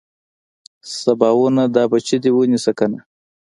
سباوونه دا بچي دې ونيسه کنه.